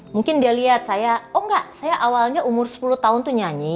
mungkin dia lihat saya oh enggak saya awalnya umur sepuluh tahun tuh nyanyi